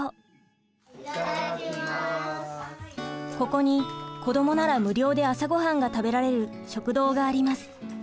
ここに子どもなら無料で朝ごはんが食べられる食堂があります。